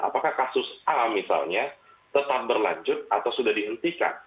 apakah kasus a misalnya tetap berlanjut atau sudah dihentikan